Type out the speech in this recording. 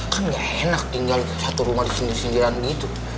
kan gak enak tinggal satu rumah disindir sindiran gitu